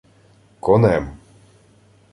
— Конем...